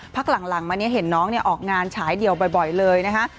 พักหลังมาเนี่ยเห็นน้องออกงานฉายเดียวบ่อยเลยนะคะ